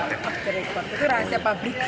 itu rahasia pabrik